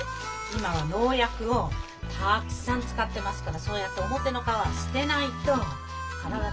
今は農薬をたくさん使ってますからそうやって表の皮は捨てないと体に害があるんですよ。